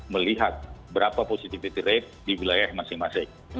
melihat berapa positivity rate di wilayah masing masing